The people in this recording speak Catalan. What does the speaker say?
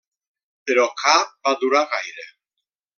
Però cap va durar gaire.